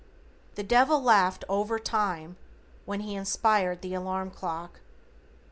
The Devil laughed over time when he inspired the alarm clock.